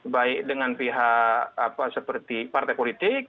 baik dengan pihak seperti partai politik